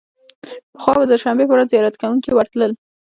پخوا به د دوشنبې په ورځ زیارت کوونکي ورتلل.